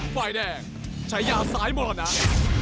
ไฟแดงชายาสายหมอหนัก